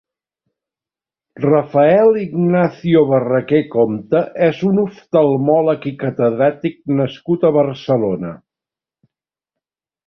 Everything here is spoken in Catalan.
Rafael Ignacio Barraquer Compte és un oftalmòleg i catedràtic nascut a Barcelona.